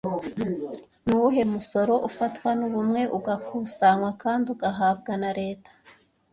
Ni uwuhe musoro ufatwa n'Ubumwe ugakusanywa kandi ugahabwa na Leta